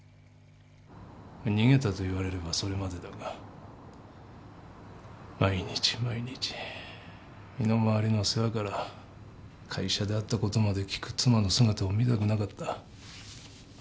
逃げたと言われればそれまでだが毎日毎日身の回りの世話から会社であったことまで聞く妻の姿を見たくなかった